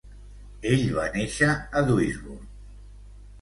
Ell va néixer a Duisburg.